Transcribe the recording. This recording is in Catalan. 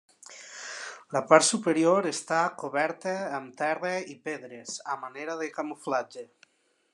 La part superior està coberta amb terra i pedres, a manera de camuflatge.